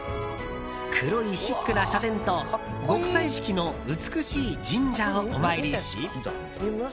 黒いシックな社殿と極彩色の美しい神社をお参りし。